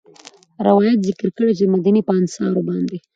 روايت ذکر کړی چې د مديني په انصارو باندي